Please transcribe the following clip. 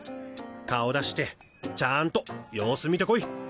顔出してちゃんと様子見てこい。